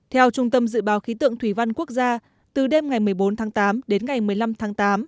theo trung tâm dự báo khí tượng thủy văn quốc gia từ đêm ngày một mươi bốn tháng tám đến ngày một mươi năm tháng tám